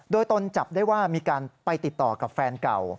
โดยตนจับได้ว่ามีการไปติดต่อกับแฟนเก่า